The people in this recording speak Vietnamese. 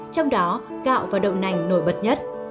trong đó gạo và đậu nành nổi bật nhất